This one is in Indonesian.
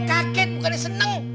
gue kaget mukanya seneng